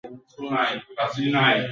না কেউ পড়াশোনা করবে, না কেউ ক্লাসে আসবে।